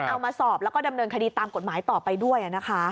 เอามาสอบแล้วก็ดำเนินคดีตามกฎหมายต่อไปด้วยนะคะ